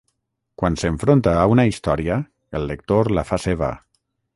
Quan s'enfronta a una història, el lector la fa seva.